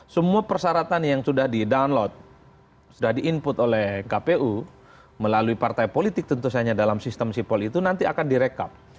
semua persyaratan yang sudah di download sudah di input oleh kpu melalui partai politik tentu saja dalam sistem sipol itu nanti akan direkap